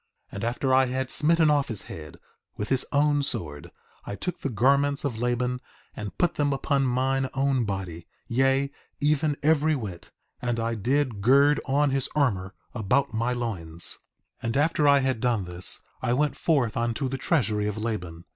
4:19 And after I had smitten off his head with his own sword, I took the garments of Laban and put them upon mine own body; yea, even every whit; and I did gird on his armor about my loins. 4:20 And after I had done this, I went forth unto the treasury of Laban.